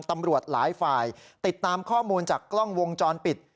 ตำรวจหลายฝ่ายติดตามข้อมูลจากกล้องวงจรปิด